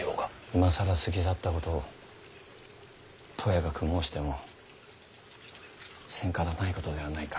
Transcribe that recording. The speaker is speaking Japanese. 今更過ぎ去ったことをとやかく申しても詮方ないことではないか。